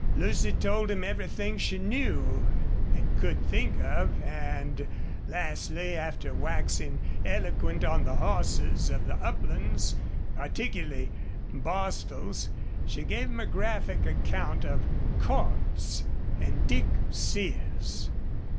Lucy told him everything she knew and could think of, and, lastly, after waxing eloquent on the horses of the uplands, particularly Bostil's, she gave him a graphic account of Cordts and Dick Sears.